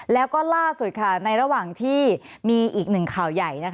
แล้วก็ล่าสุดในระหว่างที่มีอีกหนึ่งข่าวใหญ่